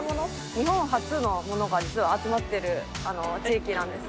日本初のものが実は集まってる地域なんです。